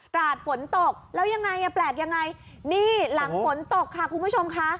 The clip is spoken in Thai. ราชฝนตกแล้วยังไงอ่ะแปลกยังไงนี่หลังฝนตกค่ะคุณผู้ชมค่ะ